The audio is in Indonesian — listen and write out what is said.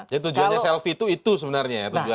jadi tujuannya selfie itu sebenarnya ya